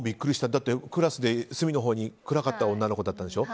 だって、クラスで隅のほうで暗かった女の子だったんでしょう。